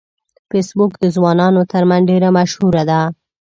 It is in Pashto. فېسبوک د ځوانانو ترمنځ ډیره مشهوره ده